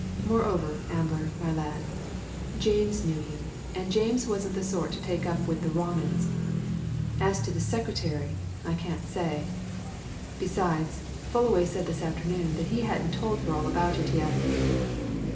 Moreover, Ambler, my lad, James knew him and James wasn't the sort to take up with wrong 'uns. As to the secretary, I can't say. Besides, Fullaway said this afternoon that he hadn't told her all about it yet."